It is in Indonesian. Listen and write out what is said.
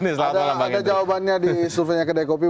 ada jawabannya di surveinya kedai kopi